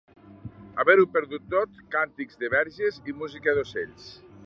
Haver-ho perdut tot, càntics de verges i música d'ocells.